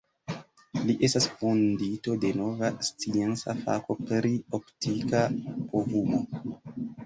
Li estas fondinto de nova scienca fako pri optika povumo.